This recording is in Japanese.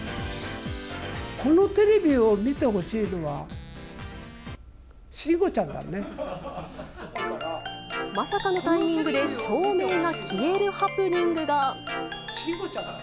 このテレビを見てほしいのは、まさかのタイミングで照明が消えるハプニングが。